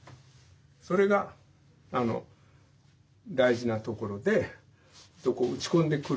それが大事なところで打ち込んでくる。